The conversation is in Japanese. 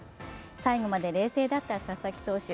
最後まで冷静だった佐々木投手。